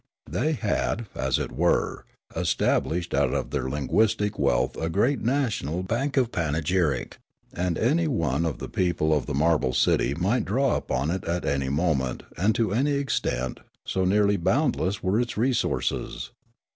They had, as it were, established out of their linguistic wealth a great national bank of panegyric ; and any one of the people of the marble city might draw upon it at any moment and to any extent, so nearly boundless were its re sources.